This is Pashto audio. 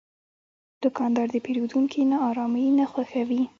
دوکاندار د پیرودونکي ناارامي نه خوښوي.